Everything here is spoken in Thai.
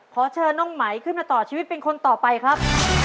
ขอเชิญน้องไหมขึ้นมาต่อชีวิตเป็นคนต่อไปครับ